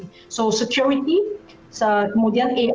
jadi keamanan kemudian ai akan lebih penting lagi